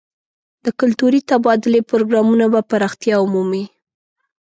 د کلتوري تبادلې پروګرامونه به پراختیا ومومي.